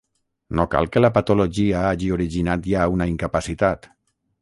No cal que la patologia hagi originat ja una incapacitat.